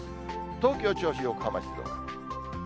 東京、銚子、横浜、静岡。